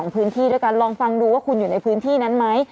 พื้นที่ด้วยกันลองฟังดูว่าคุณอยู่ในพื้นที่นั้นไหม